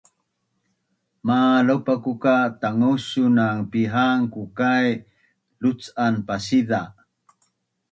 malopaku ka tangusang pihanun kiukai lucan pasiza’